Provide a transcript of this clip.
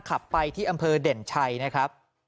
ขับไปที่อำเภอเด่นชัยนะครับ